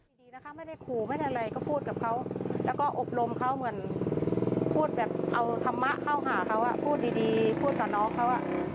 ก็ดีใจค่ะแล้วก็จะได้รำถวายพ่อปู่เลยค่ะ